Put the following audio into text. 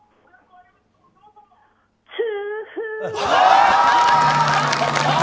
痛風！